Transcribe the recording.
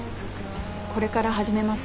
これから始めます。